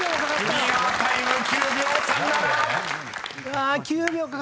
［クリアタイム９秒３７］